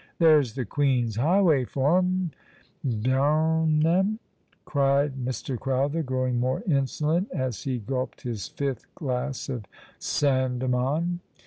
There's the Queen's highway for 'em, d n 'em !" cried Mr. Crowther, growing more insolent, as he gulped his fifth glass of Sandemann.